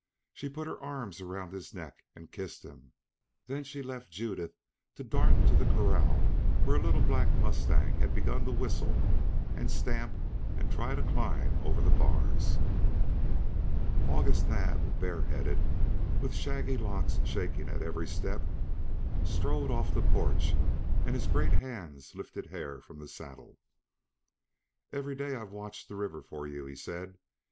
She put her arms around his neck and kissed him, then she left Judith to dart to the corral where a little black mustang had begun to whistle and stamp and try to climb over the bars. August Naab, bareheaded, with shaggy locks shaking at every step, strode off the porch and his great hands lifted Hare from the saddle. "Every day I've watched the river for you," he said.